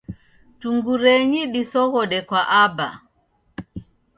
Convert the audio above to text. Tungurenyi disoghode kwa Aba.